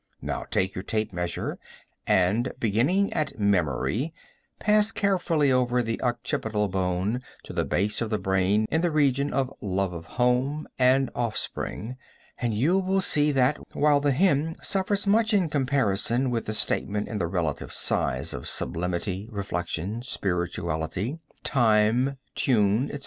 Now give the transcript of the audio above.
Now take your tape measure and, beginning at memory, pass carefully over the occiputal bone to the base of the brain in the region of love of home and offspring and you will see that, while the hen suffers much in comparison with the statement in the relative size of sublimity, reflection, spirituality, time, tune, etc.